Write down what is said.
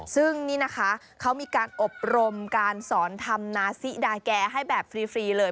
ซึ่งนี่นะคะเขามีการอบรมการสอนธรรมนาซิดาแกให้แบบฟรีเลย